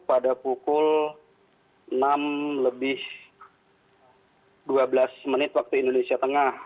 pada pukul enam lebih dua belas menit waktu indonesia tengah